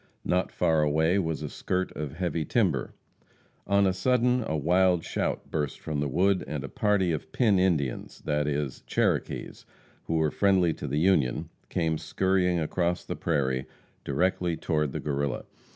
Not far away was a skirt of heavy timber. On a sudden, a wild shout burst from the wood, and a party of Pin Indians that is, Cherokees, who were friendly to the Union, came skurrying across the prairie, directly toward the Guerrilla.